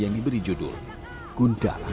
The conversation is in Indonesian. yang ini beri judul gundalah